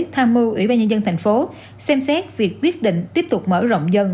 tham mưu ủy ban nhân dân tp xem xét việc quyết định tiếp tục mở rộng dân